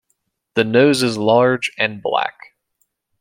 The nose is large and black.